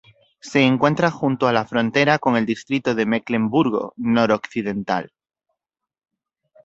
Se encuentra junto a la frontera con el distrito de Mecklemburgo Noroccidental.